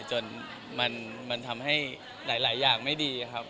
จนมันทำให้หลายอย่างไม่ดีครับ